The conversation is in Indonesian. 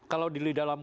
kalau di dalam